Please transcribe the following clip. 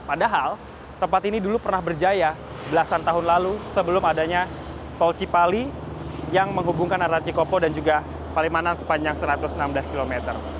padahal tempat ini dulu pernah berjaya belasan tahun lalu sebelum adanya tol cipali yang menghubungkan antara cikopo dan juga palimanan sepanjang satu ratus enam belas km